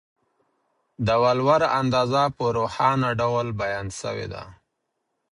د ولور اندازه په روښانه ډول بیان سوې ده.